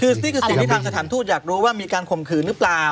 คือนี่คือสิ่งที่ทางสถานทูตอยากรู้ว่ามีการข่มขืนหรือเปล่า